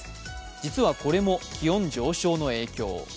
実はこれも気温上昇の影響。